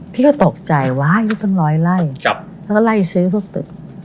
พี่ก็ตกใจว่าอายุตั้งร้อยไล่แล้วก็ไล่ซื้อทุกตึก